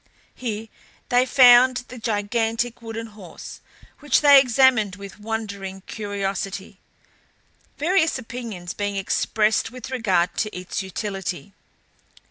Here they found the gigantic wooden horse, which they examined with wondering curiosity, various opinions being expressed with regard to its utility.